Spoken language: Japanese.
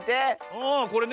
ああこれね。